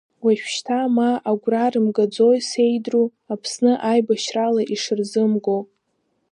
Уажәшьҭа ма агәра рымгаӡои, сеидру, Аԥсны еибашьрала ишырзымго?